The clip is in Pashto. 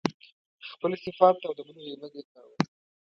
خپل صفت او د بل غیبت يې کاوه.